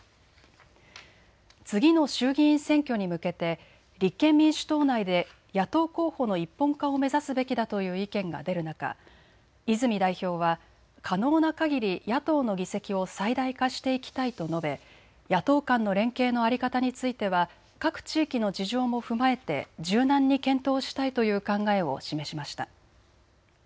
次の衆議院選挙に向けて立憲民主党内で野党候補の一本化を目指すべきだという意見が出る中、泉代表は可能なかぎり野党の議席を最大化していきたいと述べ野党間の連携の在り方については各地域の事情も踏まえて柔軟に検討したいという考えを示しました。